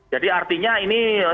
jadi artinya ini kita harus waspadai